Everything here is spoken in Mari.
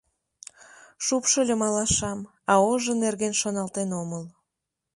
Шупшыльым алашам, а ожо нерген шоналтен омыл.